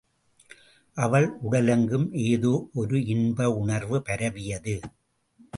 அவள் உடலெங்கும் ஏதோ ஒரு இன்ப உணர்வு பரவியது.